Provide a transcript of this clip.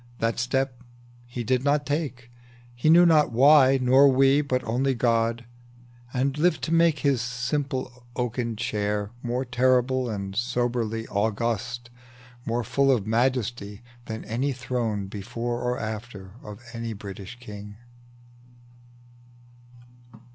That step he did not take, He knew not why, nor we, but only God, And lived to make his simple oaken chair More terrible and grandly beautiful, More full of majesty than any throne Before or after, of a British king.